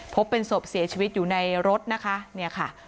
พบเป็นศพเสียชีวิตอยู่ในรถนะคะเนี่ยค่ะ